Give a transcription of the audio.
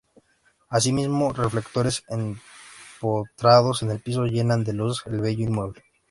Asimismo, reflectores empotrados en el piso llenan de luz el bello inmueble.